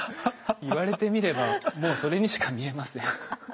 言われてみればもうそれにしか見えません。